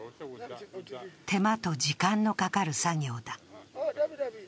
手間と時間のかかる作業だ。